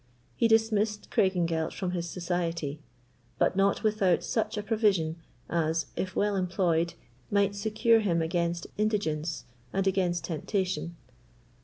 He dismissed Craigengelt from his society, but not without such a provision as, if well employed, might secure him against indigence and against temptation.